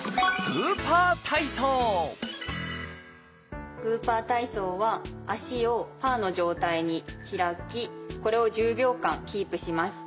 グーパー体操は足をパーの状態に開きこれを１０秒間キープします。